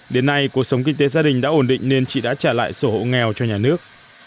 đến nay cuộc sống kinh tế gia đình đã ổn định nên chị đã trả lại sổ hộ nghèo cho nhà nước